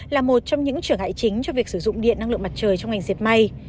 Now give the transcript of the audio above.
là một trong những trở ngại chính cho việc sử dụng điện năng lượng mặt trời trong ngành dệt may